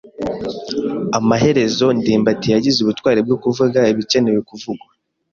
Amaherezo ndimbati yagize ubutwari bwo kuvuga ibikenewe kuvugwa.